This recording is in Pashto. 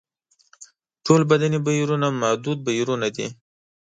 ټول بدني بهیرونه محدود بهیرونه دي.